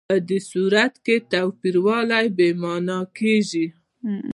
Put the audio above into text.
په دې صورت کې توپیرول بې معنا کېږي.